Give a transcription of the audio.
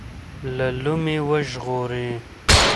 له لومې وژغوري.